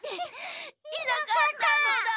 いなかったのだ。